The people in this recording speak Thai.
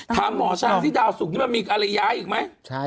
ถามหมอชาวที่ดาวสุกนี่มันมีอะไรย้ายอีกไหม